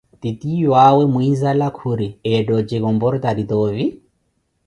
Titiyuawe muinzala khuri, etha otjikomportari tovi?